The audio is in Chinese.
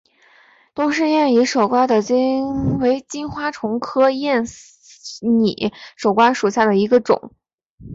东氏艳拟守瓜为金花虫科艳拟守瓜属下的一个种。